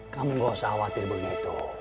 kamu gak usah khawatir begitu